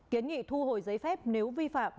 kiến nghị thu hồi giấy phép nếu vi phạm